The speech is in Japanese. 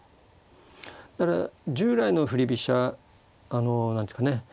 だから従来の振り飛車何ていうんですかね